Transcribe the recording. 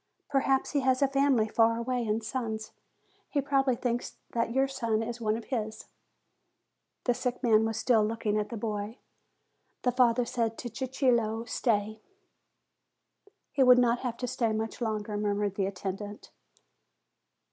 Perhaps he has a family far away, and sons. He probably thinks that your son is one of his." The sick man was still looking at the boy. The father said to Cicillo, "Stay." "He will not have to stay much longer," murmured the attendant.